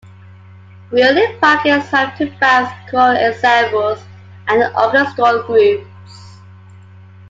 Wheeling Park is home to bands, choral ensembles, and orchestral groups.